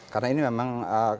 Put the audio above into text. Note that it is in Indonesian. karena ini memang